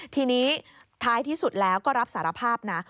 ทีนี้ท้ายที่สุดแล้วก็รับสารภาพนะ